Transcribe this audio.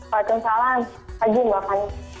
waalaikumsalam pagi mbak fani